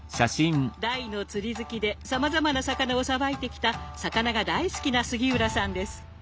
大の釣り好きでさまざまな魚をさばいてきた魚が大好きな杉浦さんです。